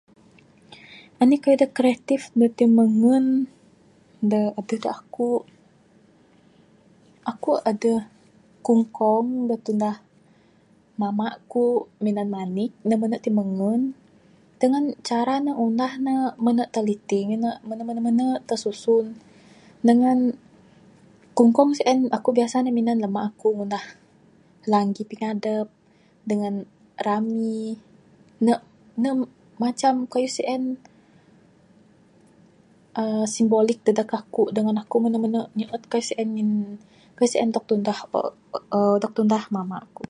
Anih kayuh da kreatif da timengen adeh da aku, aku adeh kungkong da tunah mama ku da minan manik. Ne mene timengen dangan cara ne ngunah ne mene teliti ngin ne mene mene tersusun dangan kungkong sien aku biasa ne minan mama aku ngunah ne. Langgi pingadap dangan rami, ne ne macam kayuh sien uhh simbolik dadeg aku dangan aku mene mene nyeet kayuh sien. Kayuh sien dog tunah mama ku